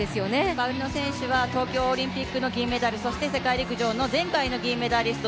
パウリの選手は東京オリンピックの銀メダル、そして世界陸上の前回の銀メダリスト。